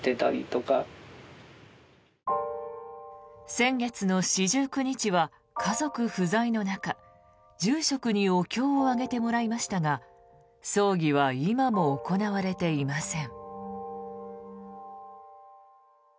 先月の四十九日は家族不在の中住職にお経を上げてもらいましたが葬儀は今も行われていません。